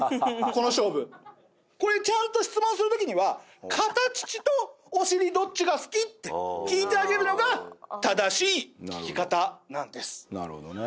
この勝負これちゃんと質問するときには片乳とお尻どっちが好き？って聞いてあげるのが正しい聞き方なんですなるほどね